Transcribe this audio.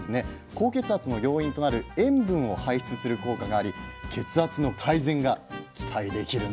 高血圧の要因となる塩分を排出する効果があり血圧の改善が期待できるんです。